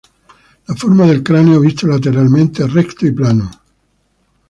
La forma del cráneo visto lateralmente es recto y plano.